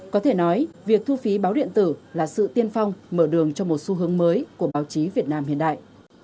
có thể nói việc thu phí báo điện tử là sự tiên phong mở đường cho một xu hướng mới của báo chí việt nam hiện đại